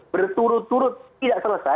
berturut turut tidak selesai